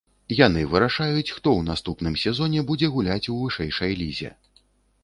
Яны вырашаюць, хто ў наступным сезоне будзе гуляць у вышэйшай лізе.